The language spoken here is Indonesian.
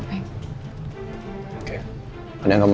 saya tengah bail nyobanya